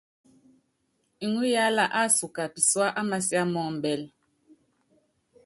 Iŋúyaála ásuba pisuá á masiá mɔ́ ɔmbɛ́l.